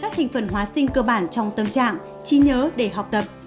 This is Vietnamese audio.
các thành phần hóa sinh cơ bản trong tâm trạng trí nhớ để học tập